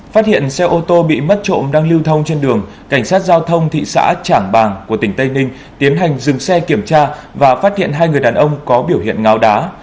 phát hiện xe ô tô bị mất trộm đang lưu thông trên đường cảnh sát giao thông thị xã trảng bàng của tỉnh tây ninh tiến hành dừng xe kiểm tra và phát hiện hai người đàn ông có biểu hiện ngáo đá